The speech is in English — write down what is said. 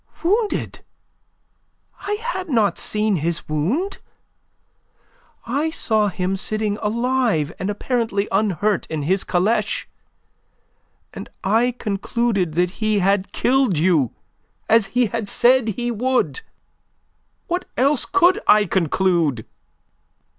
"Wounded? I had not seen his wound. I saw him sitting alive and apparently unhurt in his caleche, and I concluded that he had killed you as he had said he would. What else could I conclude?"